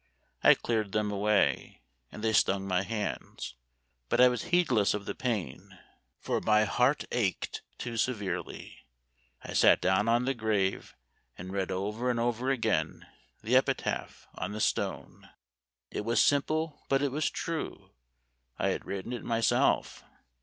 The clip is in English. I cleared them away, and they stung my hands ; but I was Memoir of Washington Irving. 133 heedless of the pain, for my heart ached too severely. I sat down on the grave and read over and over again the epitaph on the stone. " It was simple, but it was true. I had writ ten it myself.